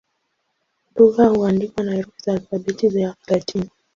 Lugha huandikwa na herufi za Alfabeti ya Kilatini.